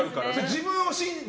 自分を信じて。